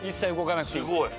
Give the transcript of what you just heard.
すごい。